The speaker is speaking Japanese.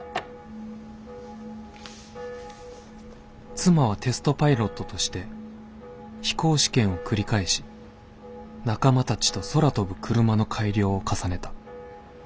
「妻はテストパイロットとして飛行試験を繰り返し仲間たちと空飛ぶクルマの改良を重ねた。